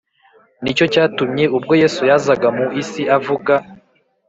Ni cyo cyatumye ubwo Yesu yazaga mu isi avuga